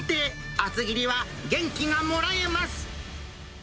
厚切りは元気がもらえます。